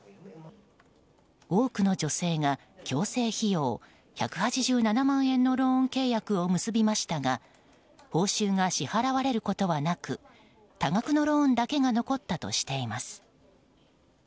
多くの女性が矯正費用１８７万円のローン契約を結びましたが報酬が支払われることはなく多額のローンだけが残ったとしています。